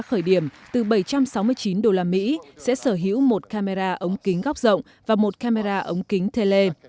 chiếc iphone bảy với giá khởi điểm từ bảy trăm sáu mươi chín đô la mỹ sẽ sở hữu một camera ống kính góc rộng và một camera ống kính tele